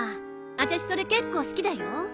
あたしそれ結構好きだよ。